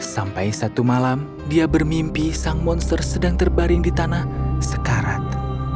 sampai satu malam dia bermimpi sang monster sedang terbaring di tanah sekarat